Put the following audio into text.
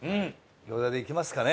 餃子でいきますかね。